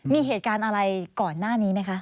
มีเหตุการณ์อะไรก่อนหน้านี้ไหมคะ